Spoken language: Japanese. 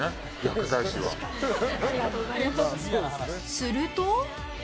すると。